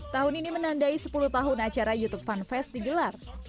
tahun ini menandai sepuluh tahun acara youtube fanfest digelar